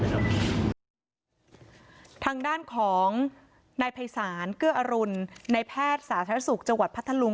ทางด้านของนายภัยศาลเกื้ออรุณในแพทย์สาธารณสุขจังหวัดพัทธลุง